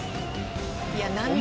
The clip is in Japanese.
いや何で？